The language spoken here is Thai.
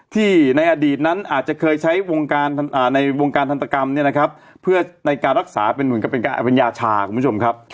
ที่ในอดีตนั้นอาจจะเคยใช้วงการในวงการทันตกรรมเนี่ยนะครับเพื่อในการรักษาเป็นเหมือนกับเป็นการเอาเป็นยาชาคุณผู้ชมครับ